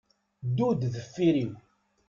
Ddu-d deffr-iw.